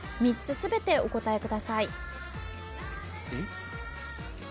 ３つ全てお答えください。